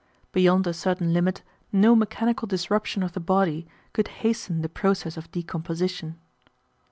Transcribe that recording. Beyond a certain limit no mechanical disruption of the body could hasten the process of decomposition.